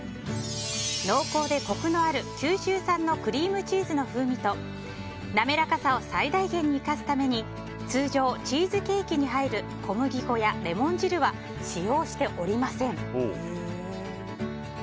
濃厚でコクのある九州産のクリームチーズの風味と滑らかさを最大限に生かすために通常、チーズケーキに入る小麦粉やレモン汁は使用しておりません。